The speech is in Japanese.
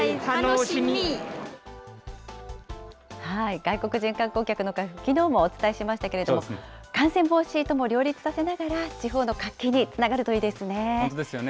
外国人観光客の回復、きのうもお伝えしましたけれども、感染防止とも両立させながら、地方の活気につながるといいですね。